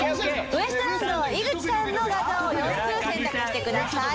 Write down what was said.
ウエストランド井口さんの画像を４つ選択してください。